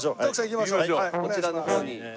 こちらの方に。